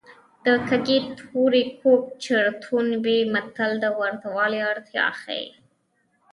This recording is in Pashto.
د کږې تورې کوږ چړتون وي متل د ورته والي اړتیا ښيي